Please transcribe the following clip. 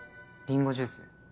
リンゴジュース。